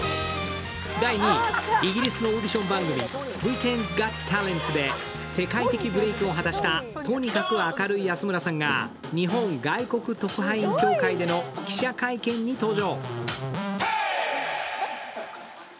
イギリスのオーディション番組、「ブリテンズ・ゴット・タレント」で世界的ブレークを果たしたとにかく明るい安村さんが日本外国特派員協会での記者会見に登場。